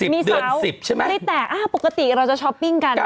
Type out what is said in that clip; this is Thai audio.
มีสาวปริแตกปกติเราจะช้อปปิ้งกัน